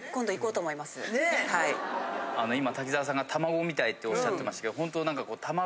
今滝沢さんが卵みたいっておっしゃってましたけどほんと何かこう。